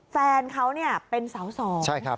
แฟนเขาเนี่ยเป็นสาวสอง